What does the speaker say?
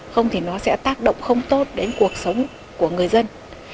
không thì nó sẽ tác động không tốt đến cuộc sống của người dân